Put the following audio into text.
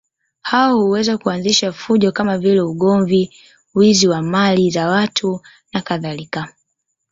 Hao huweza kuanzisha fujo kama vile ugomvi, wizi wa mali za watu nakadhalika.